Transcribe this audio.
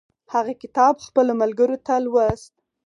هغه کتاب خپلو ملګرو ته لوست.